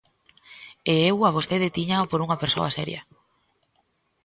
E eu a vostede tíñaa por unha persoa seria.